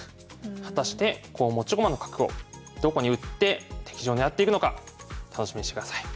果たして持ち駒の角をどこに打って敵陣を狙っていくのか楽しみにしてください。